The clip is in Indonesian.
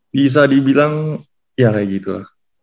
bisa dibilang ya kayak gitu lah